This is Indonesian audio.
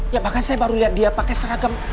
ya bahkan saya baru liat dia pake seragam